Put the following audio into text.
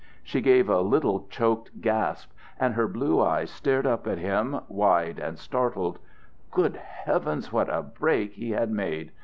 She gave a little choked gasp, and her blue eyes stared up at him, wide and startled. Good heavens, what a break he had made!